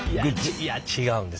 いや違うんです。